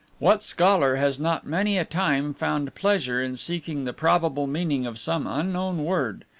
What scholar has not many a time found pleasure in seeking the probable meaning of some unknown word?